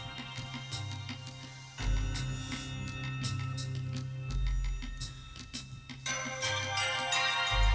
bentar kaki kau berjuang